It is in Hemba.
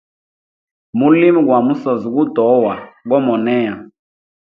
Mulimo gwa musozi gutowa gomoneya.